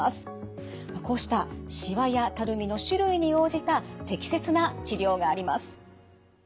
こうしたしわやたるみの種類に応じた適切な治療があります。